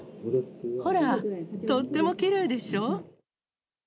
ほら、とってもきれいでしょ。